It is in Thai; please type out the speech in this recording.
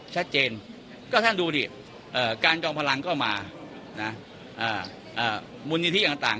ชัดเจนก็ท่านดูดิเอ่อการจองพลังก็มานะเอ่อมูลนิธิอย่างต่าง